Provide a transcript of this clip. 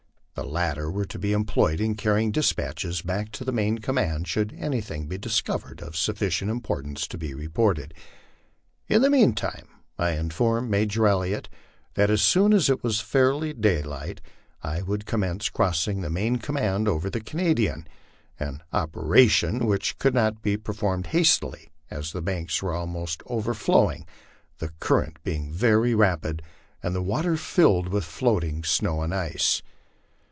The latter were to be em ployed in carrying despatches back to the main command, should anything be discovered of sufficient importance to be reported. In the mean time I informed Major Elliot that as soon as it was fairly daylight I would commence crossing the main command over the Canadian an operation which could not be per formed hastily, as the banks were almost overflowing, the current bemg very rapid and the watei filled with floating snow and ice.